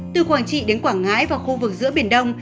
từ quảng trị đến quảng ngãi và khu vực giữa biển đông